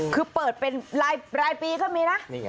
คือเปิดเป็นรายปีก็มีนะ